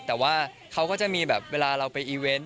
แต่ว่าเขาก็จะมีแบบเวลาเราไปอีเวนต์